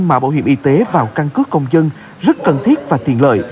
mà bảo hiểm y tế vào căn cứ công dân rất cần thiết và tiện lợi